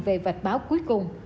về vạch báo cuối cùng